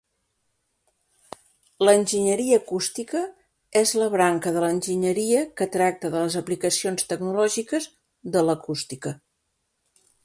L'enginyeria acústica és la branca de l'enginyeria que tracta de les aplicacions tecnològiques de l'acústica.